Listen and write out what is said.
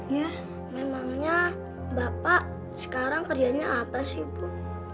ya memangnya bapak sekarang kerjanya apa sih bu